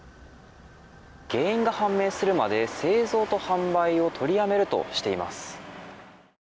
原因が判明するまで製造と販売を取りやめるとしています。